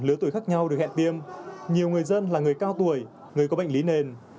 lứa tuổi khác nhau được hẹn tiêm nhiều người dân là người cao tuổi người có bệnh lý nền